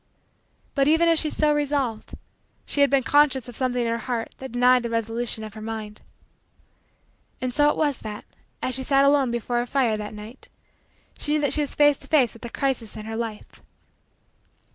But, even as she so resolved, she had been conscious of something in her heart that denied the resolution of her mind. And so it was that, as she sat alone before her fire that night, she knew that she was face to face with a crisis in her life.